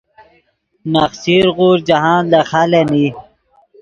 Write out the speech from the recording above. نخچیر غوݰ جاہند لے خالن ای